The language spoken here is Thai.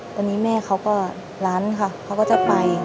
ตอนนี้แม่เขาก็ล้านค่ะเขาก็จะไป